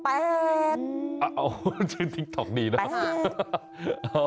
อ้าวคือติ๊กต๊อกดีนะ